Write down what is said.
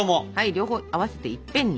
両方合わせていっぺんに！